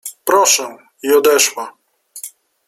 — Proszę — i odeszła.